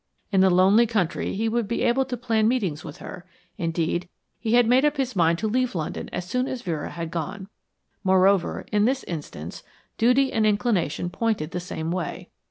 In the lonely country he would be able to plan meetings with her; indeed, he had made up his mind to leave London as soon as Vera had gone. Moreover, in this instance, duty and inclination pointed the same way.